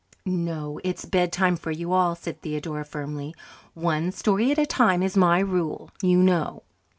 "No, it's bedtime for you all," said Theodora firmly. "One story at a time is my rule, you know."